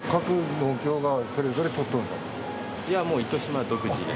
いやもう糸島独自で。